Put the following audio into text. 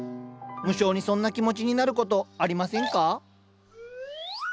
無性にそんな気持ちになることありませんか？